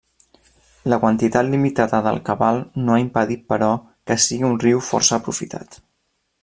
La quantitat limitada del cabal no ha impedit però que sigui un riu força aprofitat.